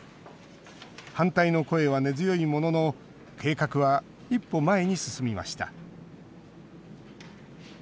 反対の声は根強いものの計画は一歩、前に進みました。